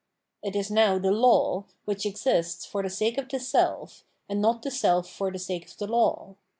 It is now the law, which exists for the sake of the self, and not the self for the sake of the law.